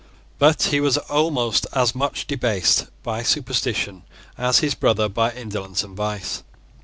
But he was almost as much debased by superstition as his brother by indolence and vice.